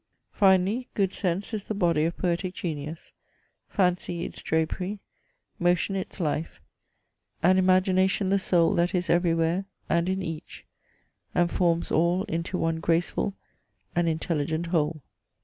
Finally, Good Sense is the Body of poetic genius, Fancy its Drapery, Motion its Life, and Imagination the Soul that is everywhere, and in each; and forms all into one graceful and intelligent whole.